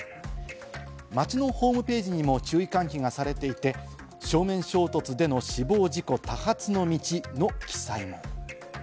町のホームページにも注意喚起がされていて、「正面衝突での死亡事故多発の道」の記載も。